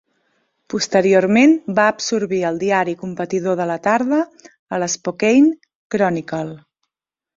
Posteriorment va absorbir el diari competidor de la tarda, el Spokane Chronicle.